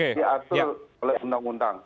diatur oleh undang undang